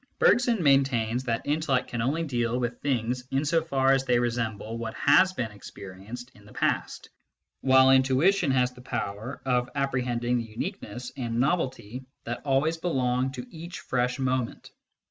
Bergson maintains that intellect can only deal with things in so far as they resemble what has been experi enced in the past, while intuition has the power of appre hending the uniqueness and novelty that always belong to each fresh moment.